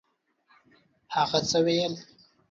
هغه څه ویل؟